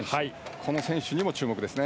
この選手にも注目ですね。